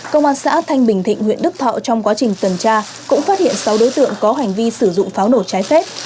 công an xã thanh bình thịnh huyện đức thọ trong quá trình tuần tra cũng phát hiện sáu đối tượng có hành vi sử dụng pháo nổ trái phép